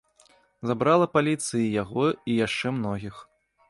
Забрала паліцыя і яго і яшчэ многіх.